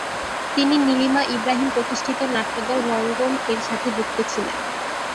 তিনি নীলিমা ইব্রাহিম প্রতিষ্ঠিত নাট্যদল "রঙ্গম"-এর সাথে যুক্ত ছিলেন।